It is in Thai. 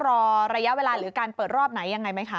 รอระยะเวลาหรือการเปิดรอบไหนยังไงไหมคะ